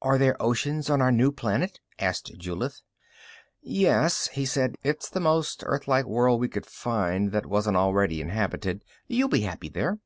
"Are there oceans on our new planet?" asked Julith. "Yes," he said. "It's the most Earth like world we could find that wasn't already inhabited. You'll be happy there."